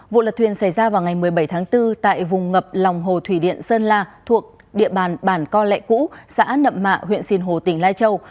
vụ lật thuyền xảy ra vào ngày một mươi bảy tháng bốn tại vùng ngập lòng hồ thủy điện sơn la thuộc địa bàn bản co lệ cũ xã nậm mạ huyện sinh hồ tỉnh lai châu